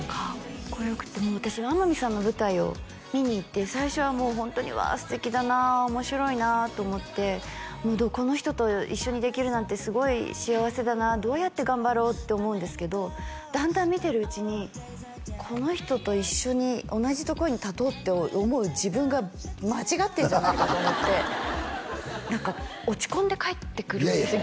かっこよくて私天海さんの舞台を見に行って最初はもうホントにわあ素敵だな面白いなと思ってもうこの人と一緒にできるなんてすごい幸せだなどうやって頑張ろうって思うんですけどだんだん見てるうちにこの人と一緒に同じとこに立とうって思う自分が間違ってんじゃないかと思って何か落ち込んで帰ってくるんですよ